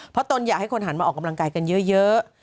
เพราะตนอยากให้คนหันมาออกกำลังกายกันเยอะ